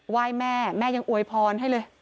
ว่ายแม่แม่ยังอวยพรให้เลย